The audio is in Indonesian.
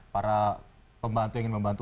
para pembantu yang ingin membantu